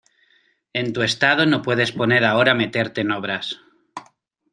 en tu estado no te puedes poner ahora a meterte en obras